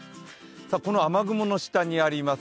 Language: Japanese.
この雨雲の下にあります